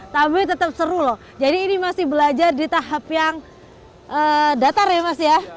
tapi tetap seru loh jadi ini masih belajar di tahap yang datar ya mas ya